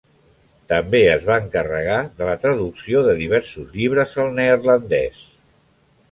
També es va encarregar de la traducció de diversos llibres al neerlandès.